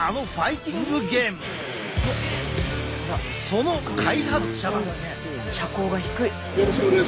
その開発者だ！